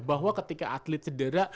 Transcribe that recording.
bahwa ketika atlet cedera itu yang nangis